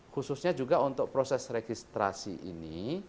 khususnya juga untuk proses registrasi ini